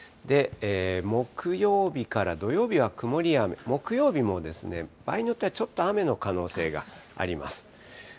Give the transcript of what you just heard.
木曜日から土曜日は曇りや雨、木曜日も場合によってはちょっと雨の可能性があります。